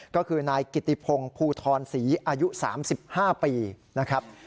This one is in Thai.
ก็คือนายกิติพงศ์ภูทรศรีอายุ๓๕ปีนะครับ